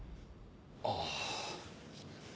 ああ。